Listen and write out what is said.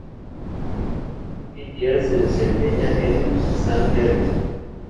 Hoy en día se desempeña en San Telmo.